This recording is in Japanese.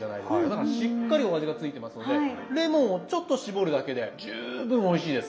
だからしっかりお味が付いてますのでレモンをちょっと搾るだけで十分おいしいです。